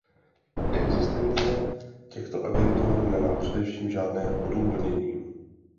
Existence těchto agentur nemá především žádné odůvodnění.